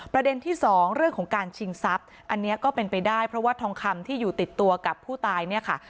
ประเด็นที่สองเรื่องของการชิงทรัพย์อันนี้ก็เป็นไปได้เพราะว่าทองคำที่อยู่ติดตัวกับผู้ตายเนี่ยค่ะ